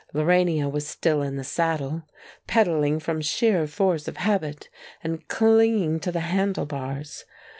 Lorania was still in the saddle, pedalling from sheer force of habit, and clinging to the handle bars.